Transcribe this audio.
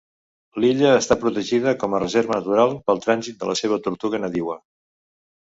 L'illa està protegida com a reserva natural pel trànsit de la seva tortuga nadiua.